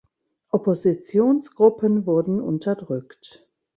Oppositionsgruppen wurden unterdrückt.